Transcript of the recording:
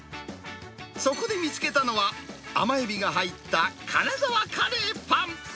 そこで見つけたのは、甘エビが入った金沢カレーパン。